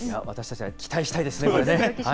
私たちは期待したいですね、これね。